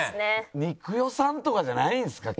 ニクヨさんとかじゃないんですか？